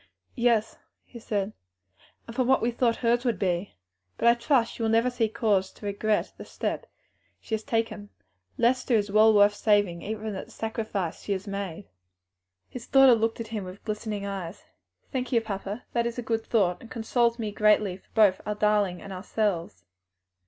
"Yes," he said, "and from what we thought hers would be. But I trust she will never see cause to regret the step she has taken. Lester is worth saving even at the sacrifice she has made." His daughter looked at him with glistening eyes. "Thank you, papa, that is a good thought, and consoles me greatly for both our darling and ourselves."